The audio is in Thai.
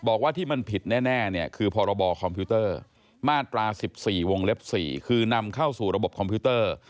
บอกว่าที่มันผิดแน่เนี่ยคือพรบคอมพิวเตอร์มาตรา๑๔วงเล็บ๔คือนำเข้าสู่ระบบคอมพิวเตอร์